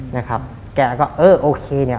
นะครับแกก็เออโอเคเนี่ย